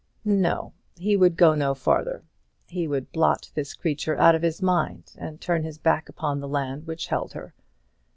No; he would go no farther; he would blot this creature out of his mind, and turn his back upon the land which held her.